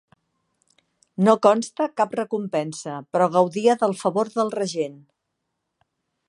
No consta cap recompensa, però gaudia del favor del regent.